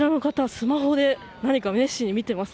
スマホで熱心に何か見ています。